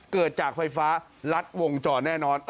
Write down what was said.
เกิดจากไฟฟ้ารัดวงจรแน่นอน